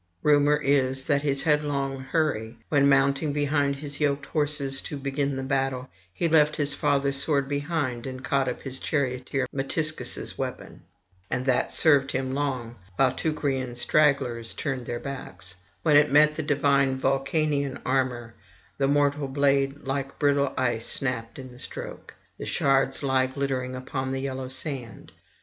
Rumour is that in his headlong hurry, when mounting behind his yoked horses to begin the battle, he left his father's sword behind and caught up his charioteer Metiscus' weapon; and that served him long, while Teucrian stragglers turned their backs; when it met the divine Vulcanian armour, the mortal blade like brittle ice snapped in the stroke; the shards lie glittering upon the yellow sand.